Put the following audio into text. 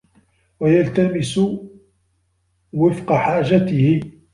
وَيَلْتَمِسَ وَفْقَ حَاجَتِهِ